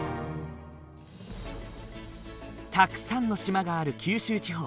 たくさんの島がある九州地方。